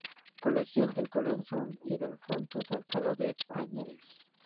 Colegial del colegio de San Ildefonso de Alcalá de Henares.